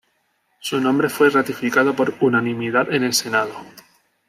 Su nombre fue ratificado por unanimidad en el Senado.